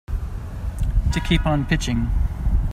To keep on pitching.